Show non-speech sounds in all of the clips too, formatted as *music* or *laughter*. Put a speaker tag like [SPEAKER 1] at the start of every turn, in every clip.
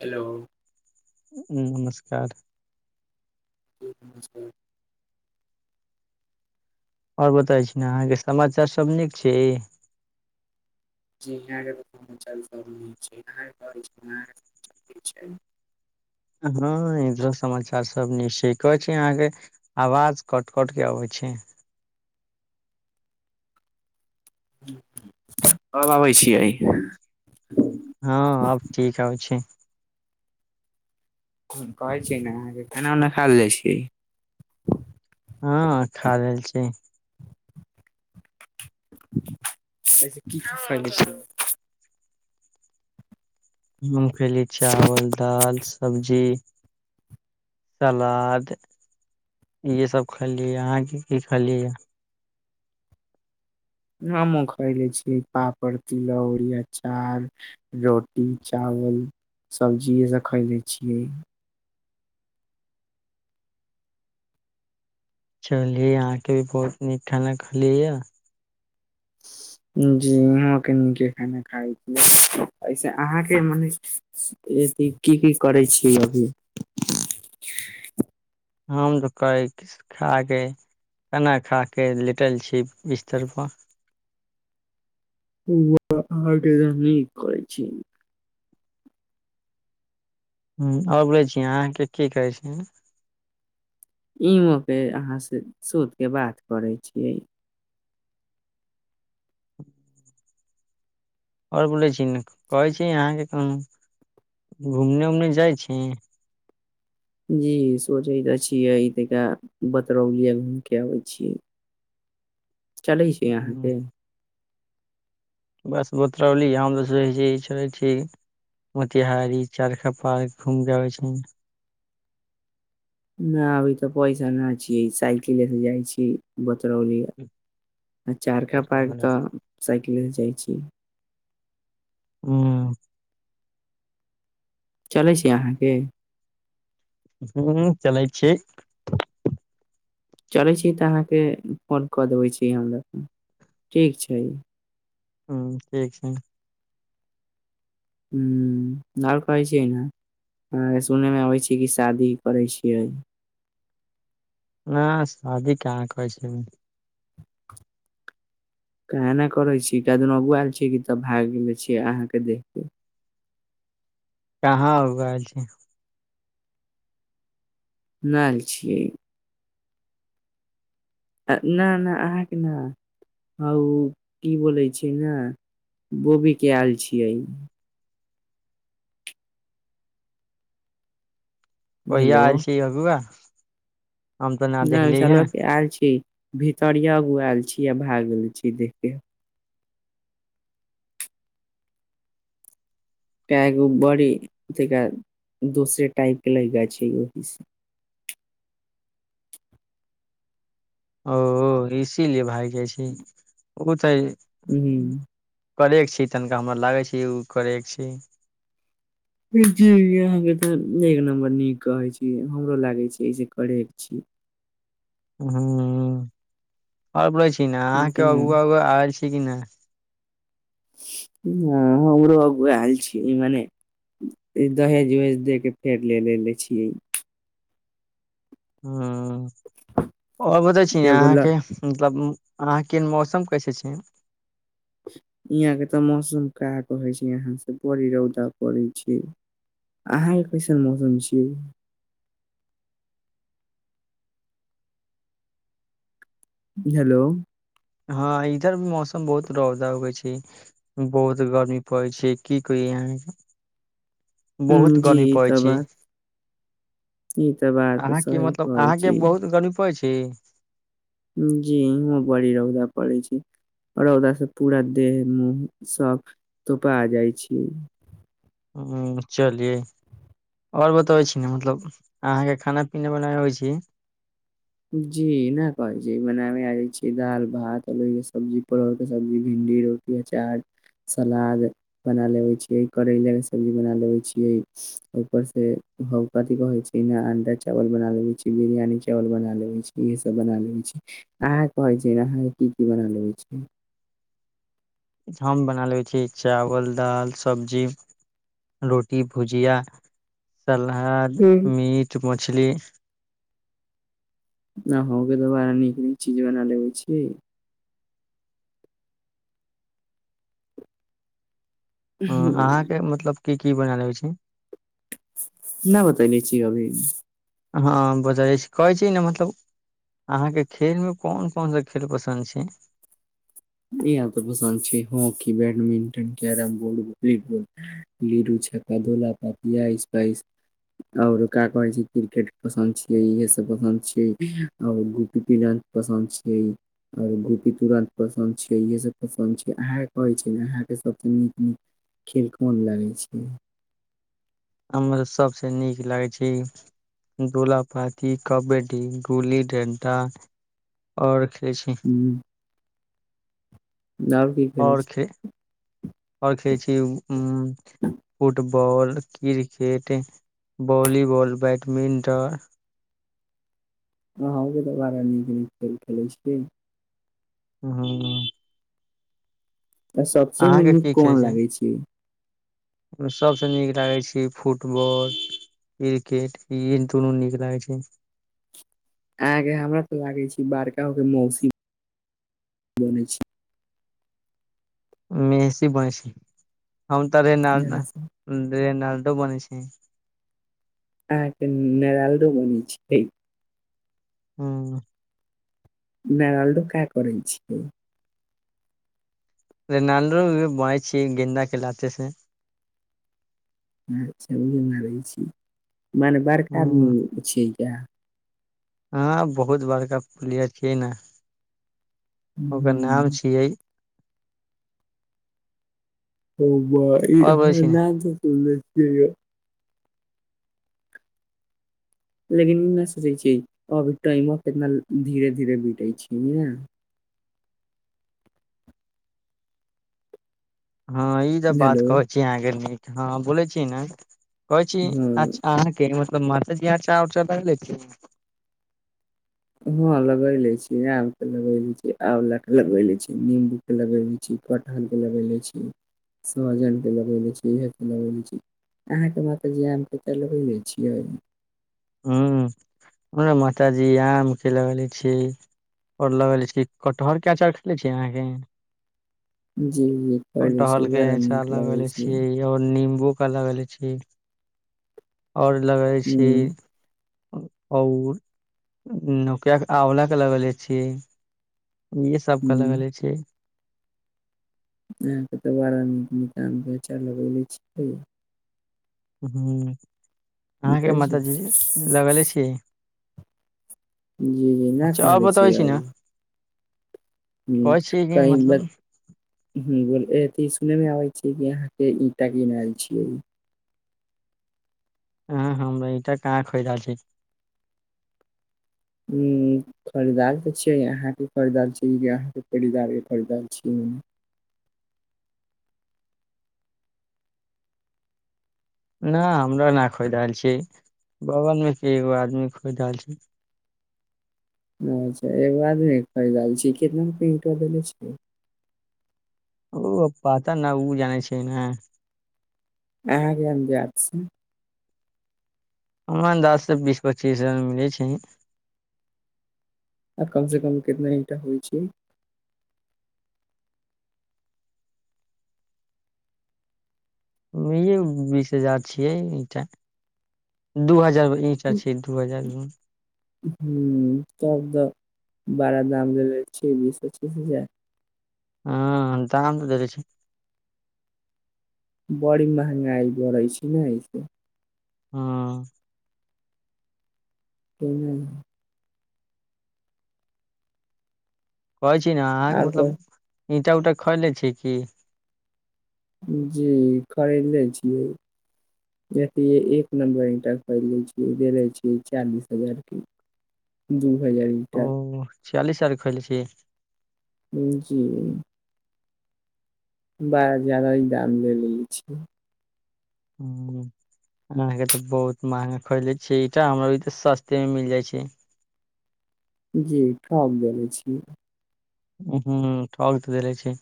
[SPEAKER 1] Hello
[SPEAKER 2] ऊँ नमस्कार।
[SPEAKER 1] जी नमस्कार।
[SPEAKER 2] आओर बताबै छी ने अहाँके समाचार सभ नीक छी।
[SPEAKER 1] जी यहाँक समाचार सब नीक छै। *unintelligible* की छै?
[SPEAKER 2] हँ इधर समाचार सब नीक छै। कहै छी अहाँ के आवाज कट कट के अबैत छै। छै
[SPEAKER 1] आब आबै छियै ऐ घर।
[SPEAKER 2] हँ आब ठीक आबै छै।
[SPEAKER 1] कहै छी ने अहाँके केना ओना खायल जाइ छियै।
[SPEAKER 2] हँ खा रहल छीयै।
[SPEAKER 1] *unintelligible*
[SPEAKER 2] हम खेलियै चावल, दाल, सब्जी। सलाद‌ इहे सभ खलीए अहाँ की की खलीए?
[SPEAKER 1] हमहू खैले छियै पापड़, तिलौरी, अचार, रोटी, चाव हम सब्जिएसँ खए लै छियै।
[SPEAKER 2] चलिय अहाँके भी बहुत नीक खाना खलियै ए। *inaudible*
[SPEAKER 1] जी यह क नीके खाना खाइ छियै ऐसे अहाँके मने की की करै छियै अभी?
[SPEAKER 2] हम तऽ कहै छी खााके। केना खा कऽ लेटल छी बिस्तरपर?
[SPEAKER 1] ओ तऽ आहाँ के जे नीक करै छी।
[SPEAKER 2] हम अबै छी अहाँके की कहै छथि?
[SPEAKER 1] इमऽपे अहाँ से सुत के बात करै छियै‌।
[SPEAKER 2] और बोलै छी ने‌। कहै छी अहाँके कोन घूमने उमने जाइ छी?
[SPEAKER 1] जी सोचै तऽ छियै ई तका बतरौलिये घूमि के आबै छियै।
[SPEAKER 2] *unintelligible*
[SPEAKER 1] चलै छै अहाँके?
[SPEAKER 2] बस बतरौली हम तऽ सोचै छी चलै छी। मोतिहारी चारखा पार्क घुमि के आबै छै।
[SPEAKER 1] नै अभी तऽ पैसा ना छियै साइकिले से जाइ छी। तरौली आ चारखा पार्क तऽ साइकिले से जाइ छी।
[SPEAKER 2] ऊँ
[SPEAKER 1] चलै छै अहाँके?
[SPEAKER 2] हूँ हूँ चलै छी।
[SPEAKER 1] चलै छी तऽ अहाँके फोन कऽ देबै छी हमरा ठीक छै।
[SPEAKER 2] हूँ ठीक छै।
[SPEAKER 1] हूँ नाव अइछ ने? हँ सुनैमे अबै छी कि शादी करै छियै।
[SPEAKER 2] ना शादी कहाँ करै छी।
[SPEAKER 1] केहने करै छी कए दिन अगूआ आयल छी कि तब भागि गेल छियै अहाँके देख के।
[SPEAKER 2] कहाँ अगुआ आयल छै?
[SPEAKER 1] नै आयल छियै। आ ना ना अहाँके नहि। ह ओ की बोलै छै ने बोबीके आयल छियै।
[SPEAKER 2] ओह
[SPEAKER 1] हेलो
[SPEAKER 2] आयल छै अगुआ। हम तऽ ना
[SPEAKER 1] नहि
[SPEAKER 2] देखली हे
[SPEAKER 1] झलक के आयल छी। भीतर य अगूआयल छी आ भागल छी देखके। कै गो बड़ी देखाइ दोसरे टाइपके लड़ि जाइ छै ओहीसे।
[SPEAKER 2] *unintelligible* ओ इसीलिए भागि जाइ छै ओतहि।
[SPEAKER 1] हूँ
[SPEAKER 2] करेक छै तनिका हमरा लागै छै ओ करेक छै।
[SPEAKER 1] ई चिज अहाँके तऽ एक नम्बर नीक कहै छी। हमरो लागै छै जे करेक छै।
[SPEAKER 2] हँ आबै छै। लेकिन अहाँके
[SPEAKER 1] केना
[SPEAKER 2] अगुआ अगुआ आबै छै कि नहि?
[SPEAKER 1] हँ हमरो अगुआ आयल छल मने दहेज उहेज दे के कैर लेनेे लै छियै।
[SPEAKER 2] ह आ बतबै छी
[SPEAKER 1] एगो ल
[SPEAKER 2] अहाँके मतलब अहाँके मौसम कैसे छै?
[SPEAKER 1] यहाँ के तऽ मौसम का कहै छै यहाँ से बड़ी रौदा पड़ै छै। अहाँके कैसन मौसम छियै?
[SPEAKER 2] *inaudible*
[SPEAKER 1] हेलो
[SPEAKER 2] हँ इधर भी मौसम बहुत रौदा होेइ छै बहुत गर्मी पड़ै छै की कही। इहाँ बहुत
[SPEAKER 1] जी
[SPEAKER 2] गर्मी
[SPEAKER 1] इ
[SPEAKER 2] पड़ै
[SPEAKER 1] ते
[SPEAKER 2] छै।
[SPEAKER 1] बात इ ते बात
[SPEAKER 2] अहाँके
[SPEAKER 1] सही
[SPEAKER 2] मतलब
[SPEAKER 1] कहे
[SPEAKER 2] अहाँके
[SPEAKER 1] छी
[SPEAKER 2] बहुत गर्मी पड़ै छै।
[SPEAKER 1] जी इहाँ बड़ी रौदा पड़ै छै। आ रौदा से पूरा देह मुँह सभ तोपा जाइ छी।
[SPEAKER 2] हँ चलियै आओर बतबै छी ने मतलब अहाँके खाना पीना बनेने अबै छी।
[SPEAKER 1] जी एना करै छी बनाबे आइ छी दाल भात कोबी के सब्जी परोर के सब्जी भि घी रोटी अचार। सलाद बना लेबै छियै करैलाके सब्जी बना लेबै छियै ऊपरसँ भगवति रहै छै न अंडा चावल बना लेबै छी बिरियानी चावल बना इेहे सब बना लेबै छी। अहाँक कहै छी ने अहाँ की की बना लेबै छी!
[SPEAKER 2] हम बना लेबै छी चावल, दाल, सब्जी। रोटी भुजिया। सल्हाद,
[SPEAKER 1] छी
[SPEAKER 2] मीट, मछली।
[SPEAKER 1] न होके तऽ बारा नीक- नीक चीज बना लेबै छी।
[SPEAKER 2] हँ अहाँके मतलब की की बनाय लेबै छी?
[SPEAKER 1] न बतैने छी अभी?
[SPEAKER 2] हँ बतैने छी। कहै छी ने मतलब अहाँके खेलमे कोन कोन सा खेल पसन्द छै?
[SPEAKER 1] ई हमके पसन्द छै hockey, badminton, carrom board, ludo. जे बतौला त इआइस पाइस। आऔर का कहै छी किरकेट पसन्द छियै इहे सब पसन्द छियै। और गोपी के घर पसन्द छियै आओर गोपी तुरंत पस इेहे सब पसंद छै। अहाँक कहै छी ने अहाँके सबसँ नीक नीक खेल कोन लागै छै?
[SPEAKER 2] हमरा सभसँ नीक लागै छै। डोला पाती कब्बडी गुली डंटा और खे दै छी
[SPEAKER 1] उम्म और की खेले
[SPEAKER 2] आओर
[SPEAKER 1] छी
[SPEAKER 2] खे आओर खेलै छी उँ football, cricket, volleyball, badminton.
[SPEAKER 1] हँ अहूँ तऽ बारा नीक-नीक खेल खेलैत छी।
[SPEAKER 2] हँ।
[SPEAKER 1] तऽ सब चिज मे नीक कोन लागै छै?
[SPEAKER 2] ओमे सभसँ नीक लागै छै फुटबॉल। क्रिकेट ईन दुनू नीक लागै छै।
[SPEAKER 1] आहाँके हमरा तऽ लागै छै बड़का होके मौसी बनै छै।
[SPEAKER 2] मेसी बनै छै। हम तऽ रेनााल्डो
[SPEAKER 1] अहां
[SPEAKER 2] रेनााल्डो बनेै छी।
[SPEAKER 1] अहाँके नेराल्डो बनै छियै।
[SPEAKER 2] हँ
[SPEAKER 1] नेराल्डो क्या करै छियै?
[SPEAKER 2] रेनााल्डो भी ब्वाय छियै गेन्दा खेलाते छै।
[SPEAKER 1] अछा उहे मारै छी। मने बड़का आदमी
[SPEAKER 2] हूँ
[SPEAKER 1] बिछै या।
[SPEAKER 2] हँ बहुत बड़का पुलिया छियै ने। ओकर नाम छियै आओर बोलै छी ने
[SPEAKER 1] *unintelligible* लेकिन ई नहि सोचै छियै। अभी टाइमो कितना धीरे धीरे बीतै छै ने।
[SPEAKER 2] हँ ई त बात
[SPEAKER 1] हेलो
[SPEAKER 2] कहै छी अहाँके नीक। हँ बोलै छी ने। कहै छी
[SPEAKER 1] हँ
[SPEAKER 2] अच्छा अहाँके। मतलब मास्टरजी अच्छा उच्छा पढ़ लै छीयै‌
[SPEAKER 1] हं लगैले छी, आम के लगैले छी, आंवला के लगैले छी, नींबू के लगैले छी, कटह हल के लगैले छी सोहजन के लगैले छी इहे के लगैले छी। अहाँके माता जी आब तऽ चलबय ने छियै।
[SPEAKER 2] हँ हमरा माताजी आम खिलौने छैय। आओर लऽ गेल छियै कटहर के अचार खेने छी अहाँके।
[SPEAKER 1] जी जी कहैले छी
[SPEAKER 2] कटहल के
[SPEAKER 1] बड़ा
[SPEAKER 2] अचार
[SPEAKER 1] नीक लगै
[SPEAKER 2] लगेले
[SPEAKER 1] छै
[SPEAKER 2] छियै आओर नीम्बू क लगेले छियै आओर लगले
[SPEAKER 1] हूँ
[SPEAKER 2] छियै आओर ओकराके आँवला के लगले छियै। इहे सब के
[SPEAKER 1] हूँ
[SPEAKER 2] लगले छियै।
[SPEAKER 1] यहाँके तऽ बारा नितन बगीचा लगयले छियै।
[SPEAKER 2] ह अहाँके
[SPEAKER 1] पता छै
[SPEAKER 2] माताजी लगले छियै?
[SPEAKER 1] जी जी नहि
[SPEAKER 2] अच्छा आओर
[SPEAKER 1] कहले
[SPEAKER 2] बतबै
[SPEAKER 1] छियै
[SPEAKER 2] छी ने
[SPEAKER 1] अब। हँ
[SPEAKER 2] कहै छियै कि
[SPEAKER 1] कही बत
[SPEAKER 2] मतलब
[SPEAKER 1] एक पीस नेने आबै छीै किये के ई त गिनल छियै।
[SPEAKER 2] अहाँ हमरा ईटा कहाँ खरीदार छैय।
[SPEAKER 1] हँ खरीदार तऽ छियै अहाँके खरीदार छियै की अहाँके परिवार के खरीदार छियै।
[SPEAKER 2] *unintelligible* नहि हमरो नहि खरीद रहल छी बगलमे के एगो आदमी खरीद रहल छैय। *unintelligible*
[SPEAKER 1] अच्छा एगो आादमे खरीद रहल छी कितना रूपे ईंटा देले छियै।
[SPEAKER 2] ओ पता न उ जानै छैय ने।
[SPEAKER 1] अहाँ किये न जात छी।
[SPEAKER 2] हमर अंदाज सँ बीस पचीस हजार मे मिलै छैय।
[SPEAKER 1] आ कम से कम कितना ईंटा होय छैय?
[SPEAKER 2] वेयू बीस हजार छियै ईटा दू हजार होइत।
[SPEAKER 1] हुँ तब त बड़ा दाम ले लय छैय बीस पचीस हजार।
[SPEAKER 2] हँ ताम तऽ दे देै छैय।
[SPEAKER 1] बड़ी महँंगाई बढ़ै छैय ने अहिसे।
[SPEAKER 2] हँ
[SPEAKER 1] तेहेन।
[SPEAKER 2] कहै छी ने अहाँके
[SPEAKER 1] आर
[SPEAKER 2] मतलब ईंटा उटा खइले छी की।
[SPEAKER 1] जी खरीदले छियै। देतियै एक नम्बर ईंटा खरीदले छियै दे दै छियै चालीस हजार के दू हजार ईंटा।
[SPEAKER 2] ओ छियालिस आर खइले छियै।
[SPEAKER 1] जी बड़ा ज्यदा ही दाम ले लेले छी।
[SPEAKER 2] *unintelligible* अहाँके तऽ बहुत मंहगा खरीद ले छियै ईंटा हमरा आरि के तऽ सस्तेमे मिल जाय छैय।
[SPEAKER 1] जी कब लेले छियै?
[SPEAKER 2] हँ ठक तऽ देले छैय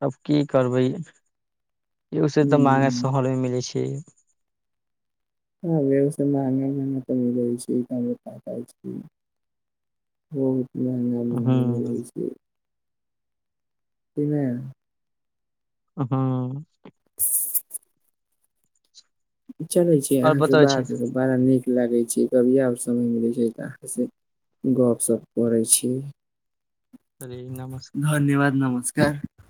[SPEAKER 2] तब की करबै। इहो से तऽ मंहगा
[SPEAKER 1] हम्म
[SPEAKER 2] शहरमे मिलै छैय।
[SPEAKER 1] हँ बेब समानी मे तऽ मिलै छैय ई तऽ हमरो पता छैय। बहुत मंहगा मे लेने
[SPEAKER 2] हूँ
[SPEAKER 1] रहै छियै। कि नहि।
[SPEAKER 2] हँ
[SPEAKER 1] *unintelligible* चले छी
[SPEAKER 2] आओर
[SPEAKER 1] अहा से
[SPEAKER 2] बतबै छी
[SPEAKER 1] बात बड़ा नीक लागे छै। ै कभी आब समय मिलै छै तऽ अहाँसँ गप सप करै छीयै।
[SPEAKER 2] अरे नमस्कार।
[SPEAKER 1] त